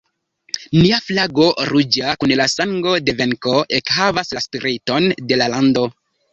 Nia flago, ruĝa kun la sango de venko, ekhavas la spiriton de la lando.